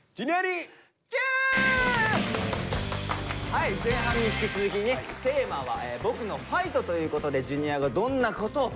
はい前半に引き続きねテーマは「僕のファイト」ということでＪｒ．がどんなことを。